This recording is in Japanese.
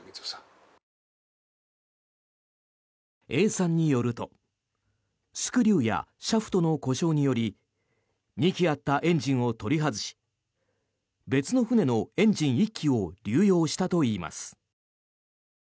Ａさんによるとスクリューやシャフトの故障により２基あったエンジンを取り外し別のエンジン１基を流用したといいます。